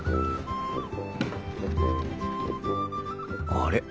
あれ？